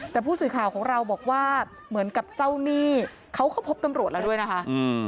แต่ผู้สื่อข่าวของเราบอกว่าเหมือนกับเจ้าหนี้เขาเข้าพบตำรวจแล้วด้วยนะคะ